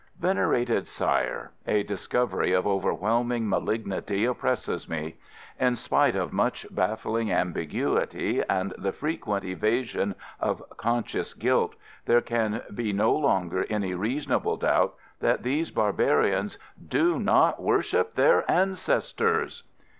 Venerated Sire, A discovery of overwhelming malignity oppresses me. In spite of much baffling ambiguity and the frequent evasion of conscious guilt, there can be no longer any reasonable doubt that these barbarians _do not worship their ancestors!